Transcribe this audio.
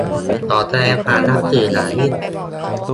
ขอแสดงความนับถืออย่างยิ่ง